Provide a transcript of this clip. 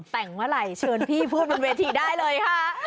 แต่งเมื่อไหร่เชิญพี่พูดบนเวทีได้เลยค่ะ